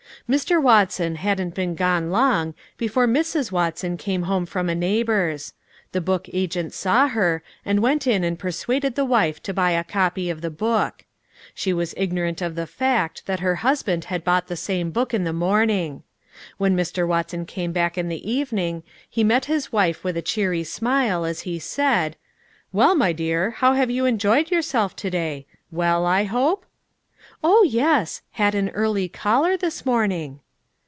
Mr. Watson hadn't been gone long before Mrs. Watson came home from a neighbor's. The book agent saw her, and went in and persuaded the wife to buy a copy of the book. She was ignorant of the fact that her husband had bought the same book in the morning. When Mr. Watson came back in the evening, he met his wife with a cheery smile as he said, "Well, my dear, how have you enjoyed yourself to day? Well, I hope?" "Oh, yes! had an early caller this morning."